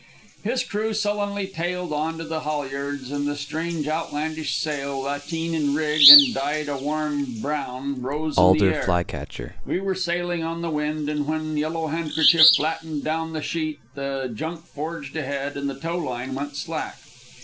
His crew sullenly tailed on to the halyards, and the strange, outlandish sail, lateen in rig and dyed a warm brown, rose in the air. We were sailing on the wind, and when Yellow Handkerchief flattened down the sheet the junk forged ahead and the tow line went slack.